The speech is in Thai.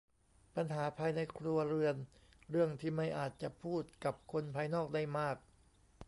ปัญหาภายในครัวเรือนเรื่องที่ไม่อาจจะพูดกับคนภายนอกได้มาก